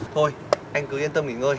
thôi anh cứ yên tâm nghỉ ngơi